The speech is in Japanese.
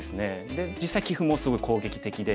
で実際棋風もすごい攻撃的で。